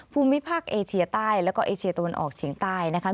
ภูมิภาคเอเชียใต้แล้วก็เอเชียตะวันออกเฉียงใต้นะคะ